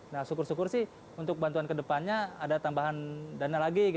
nah syukur syukur sih untuk bantuan ke depannya ada tambahan dana lagi